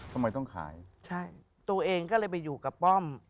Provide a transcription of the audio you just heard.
ทำไมต้องขายใช่ตัวเองก็เลยไปอยู่กับป้อม